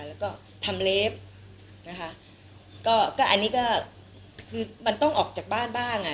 แล้วก็ทำเลฟนะคะก็ก็อันนี้ก็คือมันต้องออกจากบ้านบ้างอ่ะ